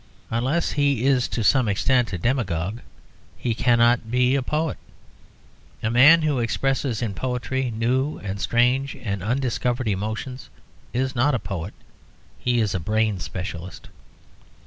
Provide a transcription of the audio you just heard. Unless he is to some extent a demagogue, he cannot be a poet. A man who expresses in poetry new and strange and undiscovered emotions is not a poet; he is a brain specialist.